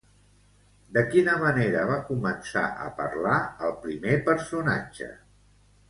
De quina manera va començar a parlar el primer personatge?